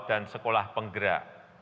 dan sekolah penggerak